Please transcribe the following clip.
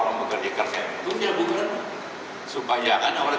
tapi kita tidak juga diharapkan dengan